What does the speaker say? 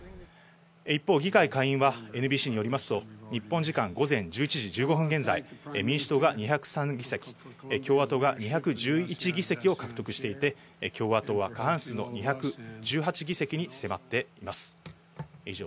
一方、議会下院はＮＢＣによりますと日本時間午前１１時１５分現在、民主党が２０３議席、共和党が２１１議席を獲得していて、共和党は過半数の２１８議席に迫っています。